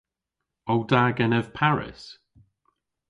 O da genev Paris?